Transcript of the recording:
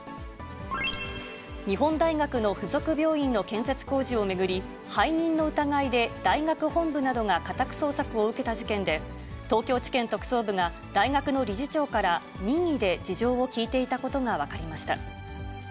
日本大学の付属病院の建設工事を巡り、背任の疑いで大学本部などが家宅捜索を受けた事件で、東京地検特捜部が大学の理事長から、任意で事情を聴いていたことが分かりました。